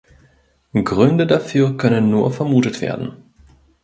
Gründe dafür können nur vermutet werden.